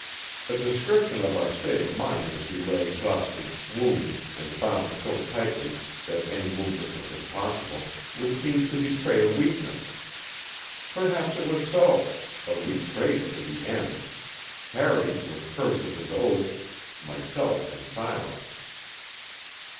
A description of our state of mind as we lay exhausted, wounded, and bound so tightly that any movement was impossible, would seem to betray a weakness. Perhaps it was so; but we prayed for the end Harry with curses and oaths, myself in silence.